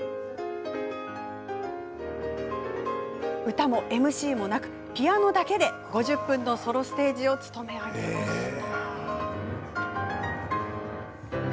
歌もＭＣもなくピアノだけで５０分のソロステージをつとめ上げました。